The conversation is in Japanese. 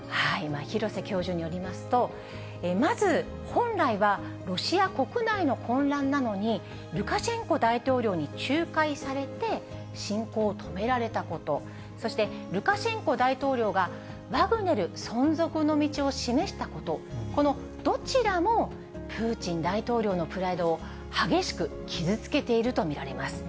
廣瀬教授によりますと、まず、本来はロシア国内の混乱なのに、ルカシェンコ大統領に仲介されて、進行を止められたこと、そしてルカシェンコ大統領がワグネル存続の道を示したこと、このどちらも、プーチン大統領のプライドを激しく傷つけていると見られます。